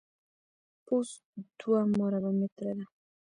پوست دوه مربع متره ده.